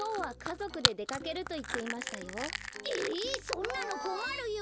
そんなのこまるよ。